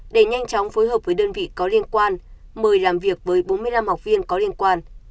để nhanh chóng phối hợp với đơn vị có liên quan mời làm việc với bốn mươi năm học viên có liên quan